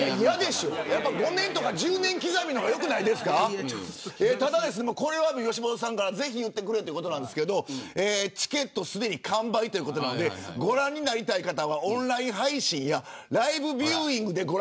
嫌でしょ、やっぱ５年とか１０年刻みのがよくないですかただですね、これは吉本さんからぜひ言ってくれってことなんですけど、チケットすでに完売ということなのでご覧になりたい方はオンライン配信やライブビューイングで。